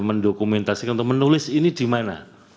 mendokumentasikan untuk menulis ini di mana